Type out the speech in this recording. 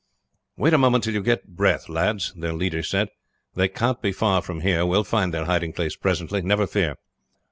"Wait a moment till you get breath, lads," their leader said. "They can't be far from here. We will find their hiding place presently, never fear."